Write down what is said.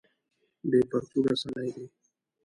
بې پرتوګه سړی دی.